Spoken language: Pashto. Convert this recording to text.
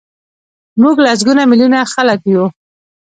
موږ لسګونه میلیونه خلک یو.